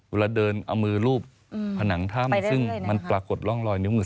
เวลาเดินเอามือรูปผนังถ้ำซึ่งมันปรากฏร่องรอยนิ้วมือ